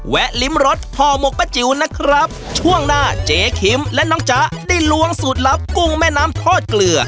แวะริมรถพ่อหม่อก็เจ๋วนะครับช่วงหน้าเจ๊คิ้นและน้องจะได้รวงสูตรลับกุ้งแม่น้ำทอดเกลือ